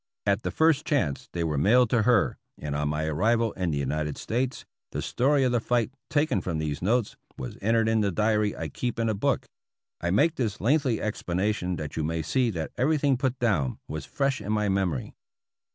At the first chance they were mailed to her, and on my 309 APPENDIX E arrival in the United States the story of the fight, taken from these notes, was entered in the diary I keep in a book. I make this lengthy explanation that you may see that everything put down was fresh in my memory.